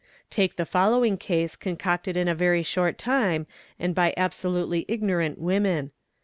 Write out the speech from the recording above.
Take the following case concocted in a very short time and by abso lutely ignorant women.